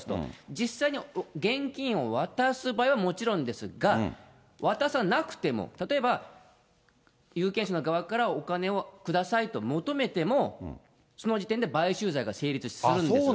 実際に現金を渡す場合はもちろんですが、渡さなくても、例えば有権者の側からお金を下さいと求めても、その時点で買収罪が成立するんです。